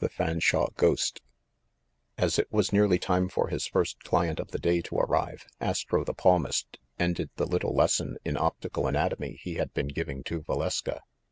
THE FANSHAWE GHOST A5 it was nearly time for his first client of the day to arrive, Astro the Palmist ended the little les son in optical anatomy he had been giving to Valeska.